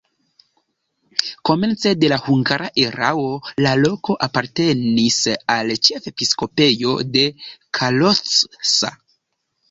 Komence de la hungara erao la loko apartenis al ĉefepiskopejo de Kalocsa.